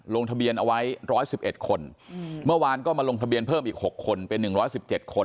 ลงทะเบียนเอาไว้ร้อยสิบเอ็ดคนเมื่อวานก็มาลงทะเบียนเพิ่มอีกหกคนเป็นหนึ่งร้อยสิบเจ็ดคน